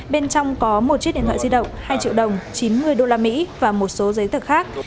bên trong có một chiếc điện thoại di động hai triệu đồng chín mươi usd và một số giấy tờ khác